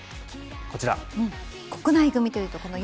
こちら。